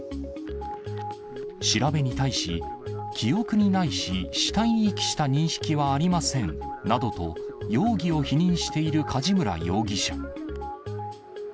調べに対し、記憶にないし、死体遺棄した認識はありませんなどと、容疑を否認している梶村容疑者。